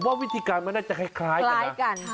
ว่าวิธีการมันน่าจะคล้ายกัน